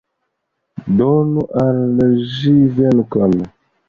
Donu al ĝi venkon!